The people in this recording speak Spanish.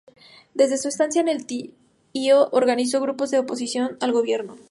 Desde su estancia de El Tío organizó grupos de oposición al gobierno.